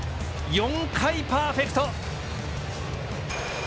４回パーフェクト！